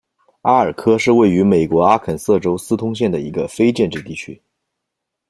阿尔科是位于美国阿肯色州斯通县的一个非建制地区。